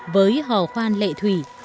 với hò khoan lệ thủy